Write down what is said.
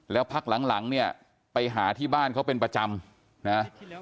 แล้วพักหลังเนี่ยไปหาที่บ้านเขาเป็นประจำนะ